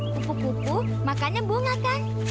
kupu kupu makannya bunga kan